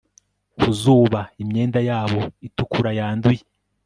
Ku zuba imyenda yabo itukura yanduye